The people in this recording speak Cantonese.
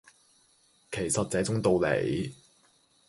其實這種道理